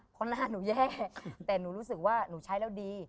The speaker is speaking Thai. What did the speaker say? เพราะหน้าหนูแย่แต่หนูรู้สึกว่าหนูใช้แล้วดี